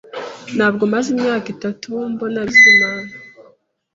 Ntabwo maze imyaka itatu mbona Bizimana